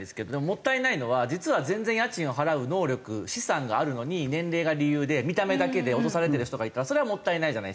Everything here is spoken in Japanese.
もったいないのは実は全然家賃を払う能力資産があるのに年齢が理由で見た目だけで落とされてる人がいたらそれはもったいないじゃないですか。